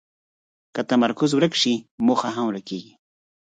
که تمرکز ورک شي، موخه هم ورکېږي.